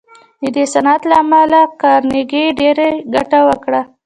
د دې صنعت له امله کارنګي ډېره ګټه وکړه